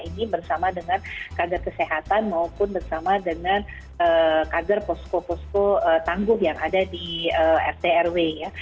ini bersama dengan kader kesehatan maupun bersama dengan kader posko posko tangguh yang ada di rt rw ya